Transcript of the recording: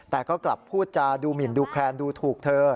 แต่ก็กลับพูดจาดูหมินดูแคลนดูถูกเธอ